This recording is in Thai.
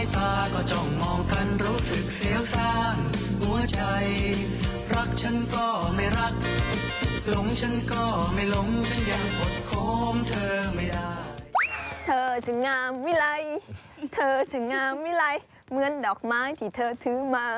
เธอช่างามเวลาเธอช่างามเวลาเหมือนดอกไม้ที่เธอทื้อมา